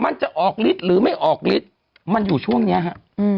มันจะออกฤทธิ์หรือไม่ออกฤทธิ์มันอยู่ช่วงเนี้ยฮะอืม